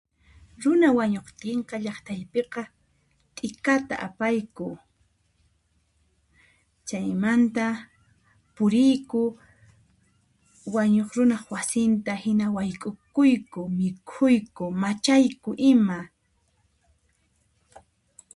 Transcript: Runa wañuqtiqa llaqtaypiqa, t'ikata apayku, chaymanta puriyku wañuq runaq wasintahina wayk'ukuyku, mikhuyku machayku ima.